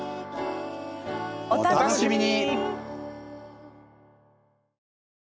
お楽しみに！